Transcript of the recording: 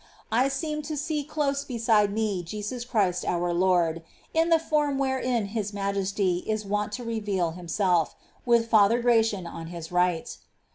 I seemed to see close beside me Jesus Christ our Lord, in the form wherein His Majesty is wont to reveal Himself, with F. Gratian on His right.